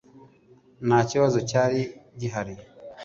nta kibazo cyari gihari